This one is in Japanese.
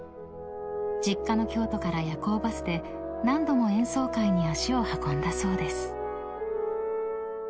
［実家の京都から夜行バスで何度も演奏会に足を運んだそうです］